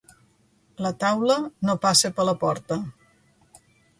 La taula no passa per la porta.